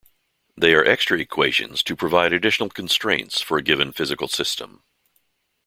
They are extra equations to provide additional constraints for a given physical system.